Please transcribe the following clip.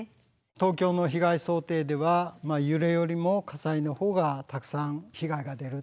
東京の被害想定では揺れよりも火災のほうがたくさん被害が出るということになってます。